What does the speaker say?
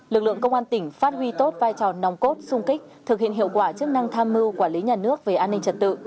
lực lượng công an tỉnh phát huy tốt vai trò nòng cốt sung kích thực hiện hiệu quả chức năng tham mưu quản lý nhà nước về an ninh trật tự